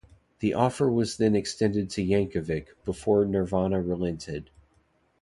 The offer was then extended to Yankovic, before Nirvana relented.